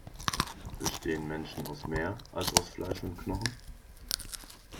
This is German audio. Bestehen Menschen aus mehr, als aus Fleisch und Knochen?